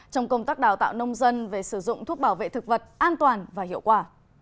trong công tác đào tạo nông dân về sử dụng thuốc bảo vệ thực vật an toàn và hiệu quả